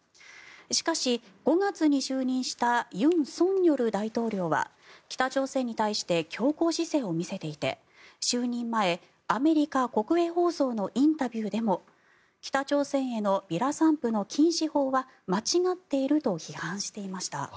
しかし、５月に就任した尹錫悦大統領は北朝鮮に対して強硬姿勢を見せていて就任前、アメリカ国営放送のインタビューでも北朝鮮へのビラ散布の禁止法は間違っていると批判していました。